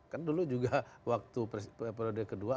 kan dulu juga waktu periode kedua